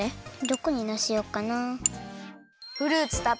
どこにのせようかな？